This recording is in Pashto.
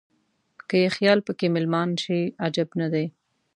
که یې خیال په کې مېلمان شي عجب نه دی.